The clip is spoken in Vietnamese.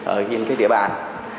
ở ghiền địa bàn